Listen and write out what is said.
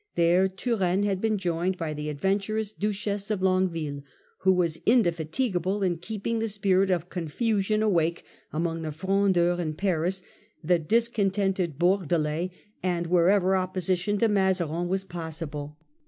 There Turenne had been Treaty joined by the adventurous Duchess of Longue iTainand w ^° was indefatigable in keeping the Turenne. spirit of confusion awake among the F rondeurs in Paris, the discontented Bordelais, and wherever opposition to Mazarin was possible.